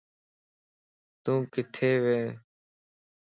تون ڪٿي وي